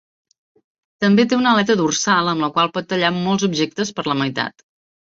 També té una aleta dorsal amb la qual pot tallar molts objectes per la meitat.